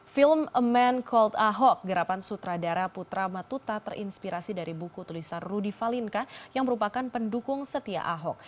film a man call ahok gerapan sutradara putra matuta terinspirasi dari buku tulisan rudy valinka yang merupakan pendukung setia ahok